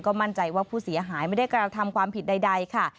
มั่นใจว่าผู้เสียหายไม่ได้กระทำความผิดใดค่ะ